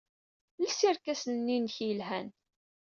Els irkasen-nni-nnek yelhan.